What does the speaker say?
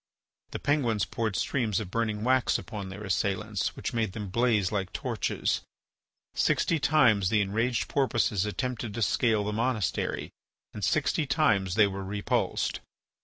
The Penguins poured streams of burning wax upon their assailants, which made them blaze like torches. Sixty times the enraged Porpoises attempted to scale the monastery and sixty times they were repulsed.